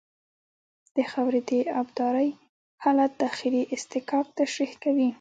د خاورې د ابدارۍ حالت داخلي اصطکاک تشریح کوي